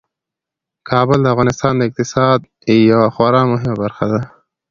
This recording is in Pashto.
کابل د افغانستان د اقتصاد یوه خورا مهمه برخه ده.